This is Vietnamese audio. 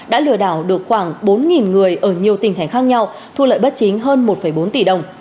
đã lừa đảo được khoảng bốn người ở nhiều tỉnh thành khác nhau thu lợi bất chính hơn một bốn tỷ đồng